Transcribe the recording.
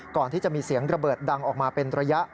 ก่อนที่จะมีเสียงระเบิดดังออกมาเป็นระยะ